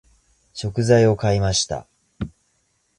食材を買いました。